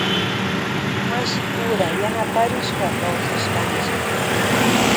Mashipura yanaparishpa kawsashkanchi.